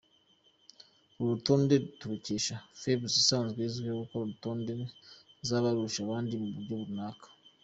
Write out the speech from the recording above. Uru rutonde turukesha Forbes isanzwe izwiho gukora intonde z’abarusha abandi mu buryo runaka.